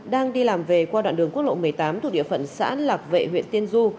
đang đi làm về qua đoạn đường quốc lộ một mươi tám thuộc địa phận xã lạc vệ huyện tiên du